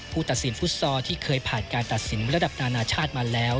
ตัดสินฟุตซอลที่เคยผ่านการตัดสินระดับนานาชาติมาแล้ว